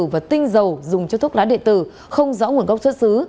và tinh dầu dùng cho thuốc lá địa tử không rõ nguồn gốc xuất xứ